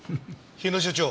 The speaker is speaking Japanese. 日野所長。